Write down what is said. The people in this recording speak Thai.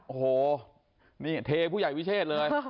โอ้โหนี่เทผู้ใหญ่วิเชษเลย